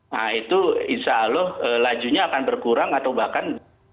nah itu insya allah lajunya akan berkurang atau bahkan